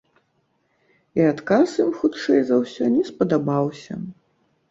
І адказ ім, хутчэй за ўсё, не спадабаўся.